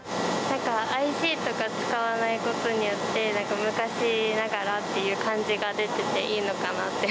なんかＩＣとか使わないことによって、なんか、昔ながらっていう感じが出てていいのかなって。